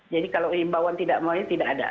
jadi kalau imbauan tidak mau tidak ada